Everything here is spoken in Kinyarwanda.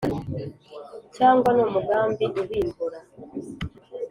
cyangwa ni umugambi ubimbura